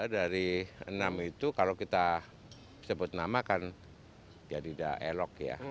dari enam itu kalau kita sebut nama kan jadi tidak elok ya